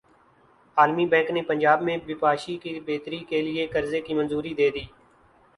عالمی بینک نے پنجاب میں بپاشی کی بہتری کیلئے قرضے کی منظوری دے دی